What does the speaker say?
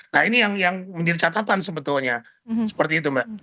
nah ini yang menjadi catatan sebetulnya seperti itu mbak